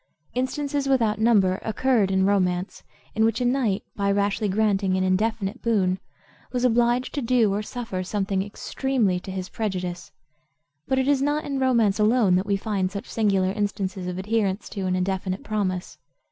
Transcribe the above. Instances without number occur in romance, in which a knight, by rashly granting an indefinite boon, was obliged to do or suffer something extremely to his prejudice. But it is not in romance alone that we find such singular instances of adherence to an indefinite promise.